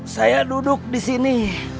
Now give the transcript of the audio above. saya duduk di sini